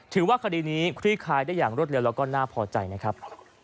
ถือว่าคดีนี้คลี่คลายได้อย่างรวดเร็วแล้วก็น่าพอใจนะครับ